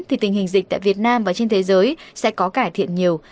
thì tình hình dịch tại việt nam và trên thế giới sẽ có cải thiện nhiều